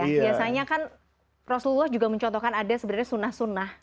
biasanya kan rasulullah juga mencontohkan ada sebenarnya sunnah sunnah